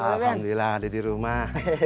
alhamdulillah ada di rumah